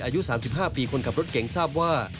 ในปี๑๙๓๕ปีคนขับรถเก่งทราบว่า